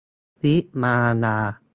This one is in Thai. วิมาลา